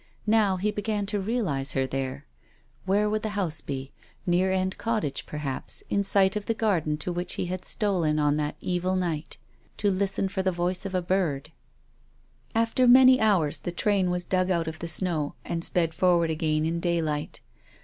Now he began to realise lur there. Where would the house be? Near End Cottage, perhaps in sight of the garden to which he had stolen on tiiat evil night to listen for the voice of a bird ! After many hours the train was dug out of the snow, and sped forward again in daylight.